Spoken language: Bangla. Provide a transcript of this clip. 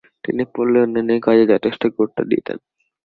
তিনি পল্লী উন্নয়নের কাজে যথেষ্ট গুরুত্ব দিতেন।